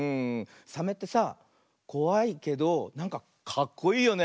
サメってさこわいけどなんかかっこいいよね。